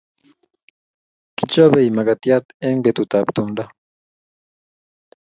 Kichopei makatyat eng petutap tumto